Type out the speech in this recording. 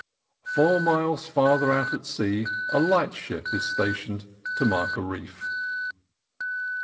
Four miles farther out at sea a lightship is stationed to mark a reef.